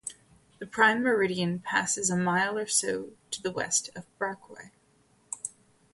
The Prime Meridian passes a mile or so to the west of Barkway.